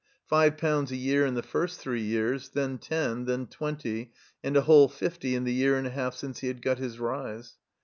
Five pounds a year in the first three years, then ten, then twenty, and a whole fifty in the year and a half since he had got his rise.